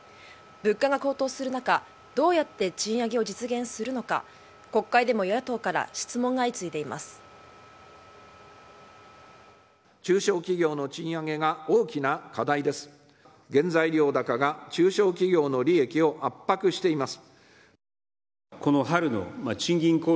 物価が高騰する中どうやって賃上げを実現するのか国会でも与野党から質問が相次いでいます。